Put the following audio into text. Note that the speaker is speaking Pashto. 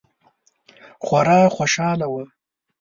خورا خوشحاله وه.